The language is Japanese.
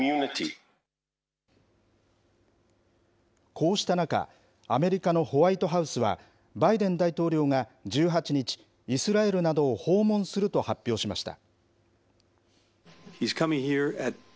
こうした中、アメリカのホワイトハウスは、バイデン大統領が１８日、イスラエルなどを訪問すると発表しました。